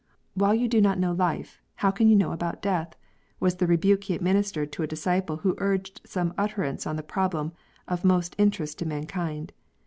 " While you do not know life, how can you know about death?" was the rebuke he administered to a disciple who urged some utterance on the problem of most interest to mankind.